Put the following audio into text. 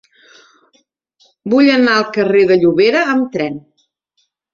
Vull anar al carrer de Llobera amb tren.